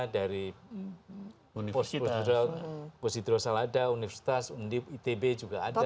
dari posidro salada universitas itb juga ada